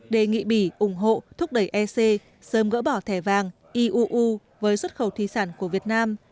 đề nghị bỉ ủng hộ thúc đẩy ec sớm gỡ bỏ thẻ vàng iuu với xuất khẩu thi sản của việt nam